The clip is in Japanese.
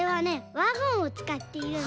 ワゴンをつかっているんだ。